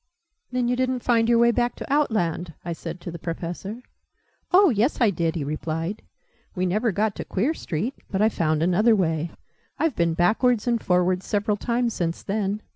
"Then you didn't find your way back to Outland?" I said to the Professor. "Oh yes, I did!" he replied, "We never got to Queer Street; but I found another way. I've been backwards and forwards several times since then.